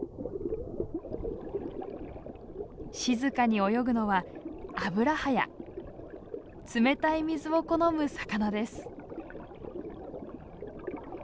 静かに泳ぐのは冷たい水を好む魚です。